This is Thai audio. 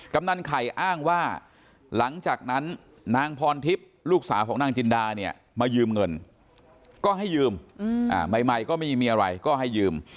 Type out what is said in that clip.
กำนันไข่อ้างว่าหลังจากนั้นนางพรทิพย์ลูกสาวของนางจินดาเนี่ยมายืมเงินก็ให้ยืมใหม่ก็ไม่มีอะไรก็ให้ยืม